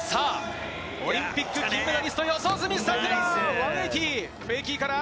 オリンピック金メダリスト・四十住さくら！